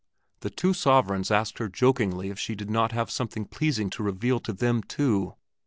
The two sovereigns asked her jokingly if she did not have something pleasing to reveal to them too?